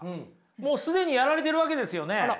もう既にやられてるわけですよね。